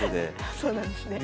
あそうなんですね。